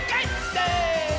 せの！